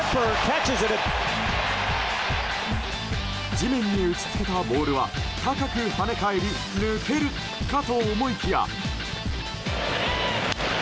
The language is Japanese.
地面に打ち付けたボールは高く跳ね返り抜けるかと思いきや。